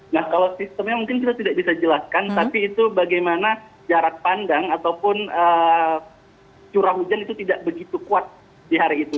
nah kalau sistemnya mungkin kita tidak bisa jelaskan tapi itu bagaimana jarak pandang ataupun curah hujan itu tidak begitu kuat di hari itu